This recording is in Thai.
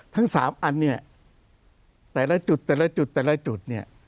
ทั้งสามอันเนี่ยแต่ละจุดแต่ละจุดแต่ละจุดเนี่ย